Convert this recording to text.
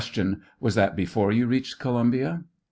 Was that before you reached Columbia